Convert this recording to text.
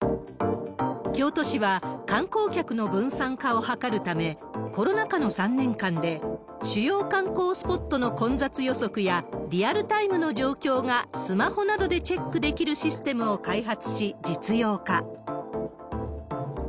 京都市は観光客の分散化を図るため、コロナ禍の３年間で、主要観光スポットの混雑予測や、リアルタイムの状況がスマホなどでチェックできるシステムを開発し、実用化。